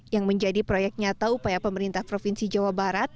yang menjadi proyek nyata upaya pemerintah provinsi jawa barat